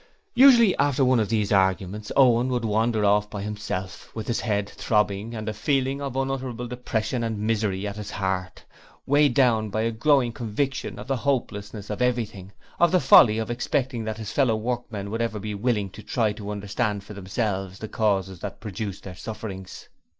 Usually after one of these arguments, Owen would wander off by himself, with his head throbbing and a feeling of unutterable depression and misery at his heart; weighed down by a growing conviction of the hopelessness of everything, of the folly of expecting that his fellow workmen would ever be willing to try to understand for themselves the causes that produced their sufferings.